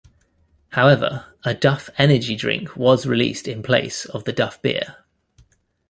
However, a Duff Energy Drink was released in place of the Duff Beer.